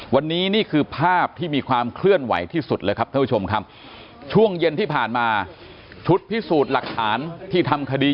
วันนี้นี่คือภาพที่มีความเคลื่อนไหวที่สุดเลยครับ